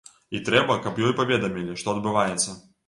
І трэба, каб ёй паведамілі, што адбываецца.